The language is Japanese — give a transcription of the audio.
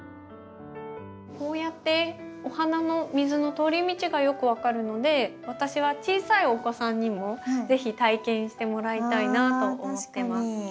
こうやってお花の水の通り道がよく分かるので私は小さいお子さんにも是非体験してもらいたいなと思ってます。